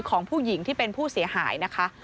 ของผู้หญิงที่เป็นผู้เสียหายนะคะ